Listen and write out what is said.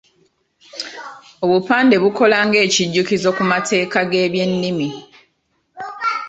Obupande bukola ng’ekijjukizo ku mateeka g’ebyennimi.